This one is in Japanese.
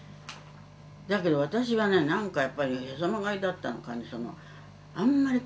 だけど私はね何かやっぱりへそ曲がりだったのかね